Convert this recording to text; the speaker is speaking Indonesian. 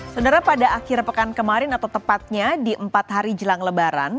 sebenarnya pada akhir pekan kemarin atau tepatnya di empat hari jelang lebaran